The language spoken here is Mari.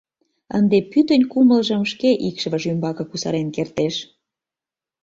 Ынде пӱтынь кумылжым шке икшывыж ӱмбаке кусарен кертеш.